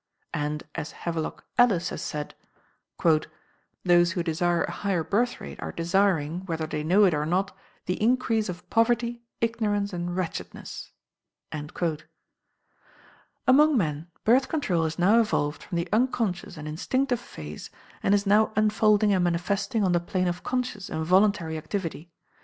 And as Havelock Ellis has said: "Those who desire a higher birth rate are desiring, whether they know it or not, the increase of poverty, ignorance, and wretchedness." Among men, Birth Control has now evolved from the unconscious and instinctive phase, and is now unfolding and manifesting on the plane of conscious and voluntary activity.